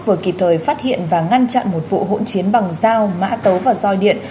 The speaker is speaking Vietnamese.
vừa kịp thời phát hiện và ngăn chặn một vụ hỗn chiến bằng dao mã tấu và roi điện